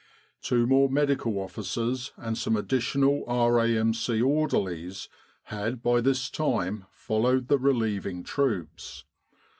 "' Two more Medical Officers and some additional R.A.M.C. orderlies had by this time followed the relieving troops.